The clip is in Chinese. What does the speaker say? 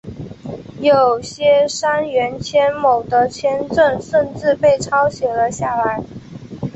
有些杉原千亩的签证甚至被抄写了下来。